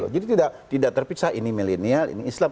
jadi tidak terpisah ini milenial ini islam